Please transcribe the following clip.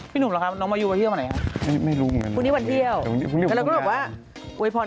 พี่หนุ่มละครับน้องมายุเวียเที่ยวมาไหนครับ